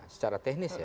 secara teknis ya